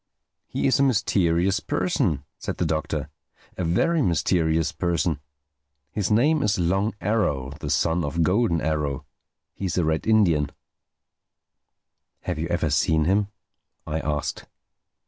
"He is a mysterious person," said the Doctor—"a very mysterious person. His name is Long Arrow, the son of Golden Arrow. He is a Red Indian." "Have you ever seen him?" I asked.